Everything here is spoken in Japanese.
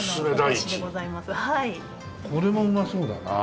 これもうまそうだな。